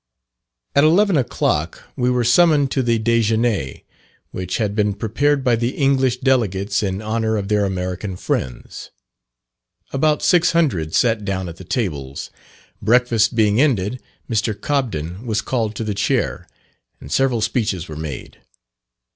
At eleven o'clock we were summoned to the dejeuner, which had been prepared by the English delegates in honour of their American friends. About six hundred sat down at the tables. Breakfast being ended, Mr. Cobden was called to the chair, and several speeches were made.